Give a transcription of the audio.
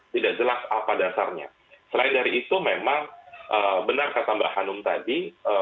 tidak jelas apa dasarnya selain dari itu memang benar kata mbak hanum tadi